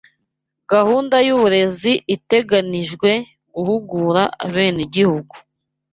Gahunda yuburezi iteganijwe guhugura abenegihugu